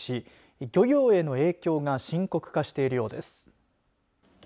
漁業への影響が深刻化しているようです。